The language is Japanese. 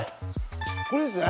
これですね？